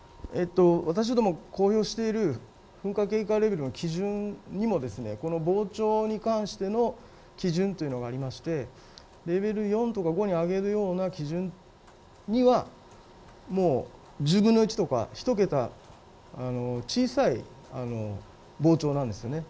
私どもが公表している噴火レベルの基準にもこの膨張に関しての基準というのがありまして、レベル４とか５に上げるような基準にはもう１０分の１とか、１桁小さい膨張なんですよね。